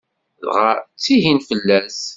Dɣa ttihin fell-as.